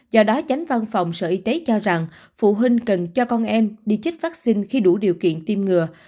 do đó chánh văn phòng sở y tế cho rằng phụ huynh cần cho con em đi chích phát sinh khi đủ điều kiện tiêm ngừa